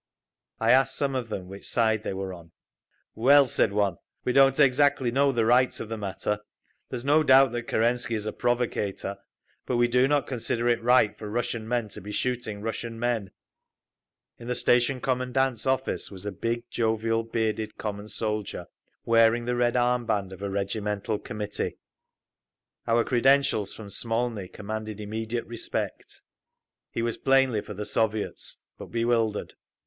I asked some of them which side they were on. "Well," said one, "we don't exactly know the rights of the matter…. There is no doubt that Kerensky is a provocator, but we do not consider it right for Russian men to be shooting Russian men." In the station commandant's office was a big, jovial, bearded common soldier, wearing the red arm band of a regimental committee. Our credentials from Smolny commanded immediate respect. He was plainly for the Soviets, but bewildered.